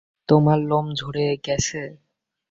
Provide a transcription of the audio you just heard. তোমার লোম ঝরে গেছে।